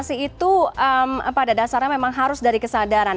vaksinasi itu pada dasarnya memang harus dari kesadaran